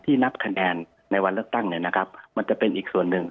ที่นับคะแนนในวันเลือกตั้งมันจะเป็นอีกส่วนหนึ่ง